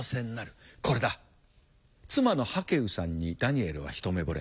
妻のハケウさんにダニエルは一目ぼれ。